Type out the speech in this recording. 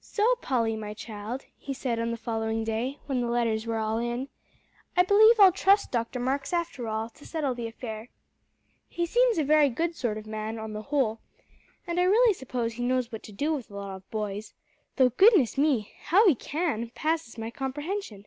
"So, Polly, my child," he said on the following day, when the letters were all in, "I believe I'll trust Dr. Marks, after all, to settle the affair. He seems a very good sort of a man, on the whole, and I really suppose he knows what to do with a lot of boys; though goodness me! how he can, passes my comprehension.